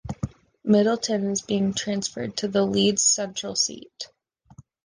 Middleton is being transferred to the Leeds Central seat.